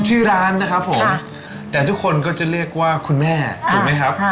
ชื่อร้านนะครับผมแต่ทุกคนก็จะเรียกว่าคุณแม่ถูกไหมครับ